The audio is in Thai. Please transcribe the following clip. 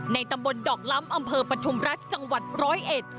ตำบลดอกล้ำอำเภอปฐุมรัฐจังหวัดร้อยเอ็ด